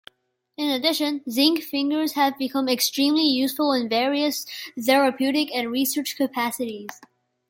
In addition, zinc fingers have become extremely useful in various therapeutic and research capacities.